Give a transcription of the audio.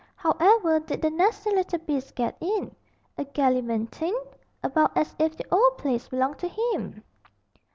However did the nasty little beast get in? a gallivantin' about as if the 'ole place belonged to him.'